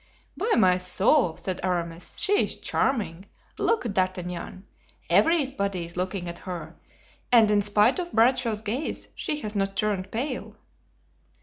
"By my soul," said Aramis, "she is charming. Look D'Artagnan; everybody is looking at her; and in spite of Bradshaw's gaze she has not turned pale."